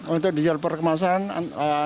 untuk dijual perkemasannya berapa